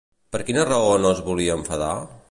Per quina raó no es volia enfadar?